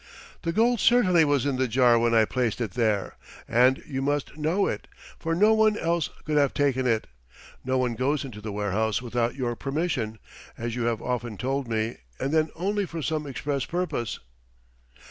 "The gold certainly was in the jar when I placed it there, and you must know it, for no one else could have taken it. No one goes into the warehouse without your permission, as you have often told me and then only for some express purpose."